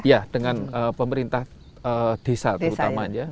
ya dengan pemerintah desa terutamanya